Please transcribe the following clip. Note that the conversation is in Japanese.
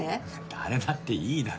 誰だっていいだろ。